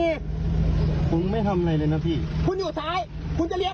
นุ้งไม่ได้กลับค่ะนุ้งมาจากของ